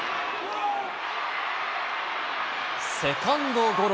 セカンドゴロ。